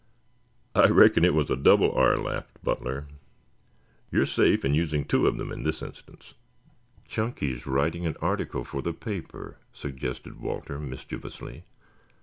"I reckon it was a double r," laughed Butler. "You are safe in using two of them in this instance." "Chunky's writing an article for the paper," suggested Walter mischievously.